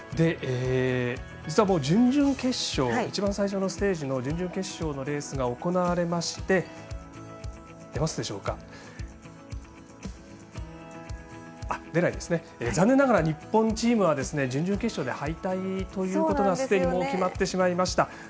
実は一番最初のステージの準々決勝のレースが行われまして残念ながら日本チームは準々決勝で敗退ということがすでにもう決まってしまいました。